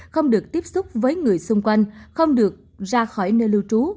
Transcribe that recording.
không được tiếp xúc với người xung quanh không được ra khỏi nơi lưu trú